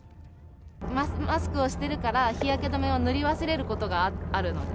マスクをしてるから、日焼け止めを塗り忘れることがある。